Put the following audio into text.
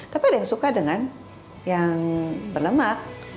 tapi ada yang suka dengan yang berlemak